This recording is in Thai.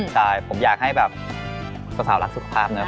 ใช่ผมอยากให้แบบสาวรักสุขภาพนะ